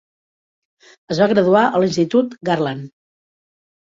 Es va graduar a l'Institut Garland.